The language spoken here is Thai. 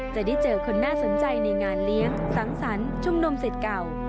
จะได้เจอคนน่าสนใจในงานเลี้ยงสังสรรค์ชุมนุมสิทธิ์เก่า